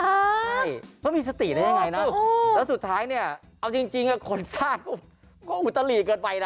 ใช่เพราะมีสติได้ยังไงนะแล้วสุดท้ายเนี่ยเอาจริงคนสร้างก็อุตลีเกินไปนะ